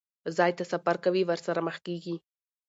ځای ته سفر کوي، ورسره مخ کېږي.